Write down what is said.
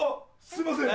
すいません！